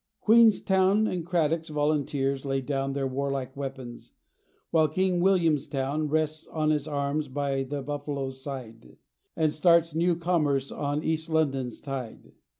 Queenstown and Cradock's volunteers lay down Their warlike weapons, while King Williamstown Rests on its arms by the Buffalo's side, And starts new commerce on East London's tide.